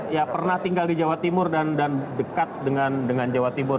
ya pernah tinggal di jawa timur dan dekat dengan jawa timur